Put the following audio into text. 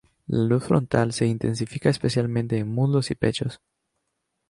La luz frontal se intensifica especialmente en muslos y pechos.